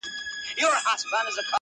منظور مشر -